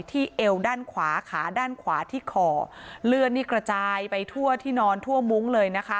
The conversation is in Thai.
เอวด้านขวาขาด้านขวาที่คอเลือดนี่กระจายไปทั่วที่นอนทั่วมุ้งเลยนะคะ